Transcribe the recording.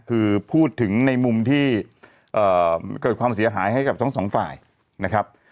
คือพูดถึงในมุมที่เกิดความเสียหายให้กับทั้งสองฝ่ายนะครับ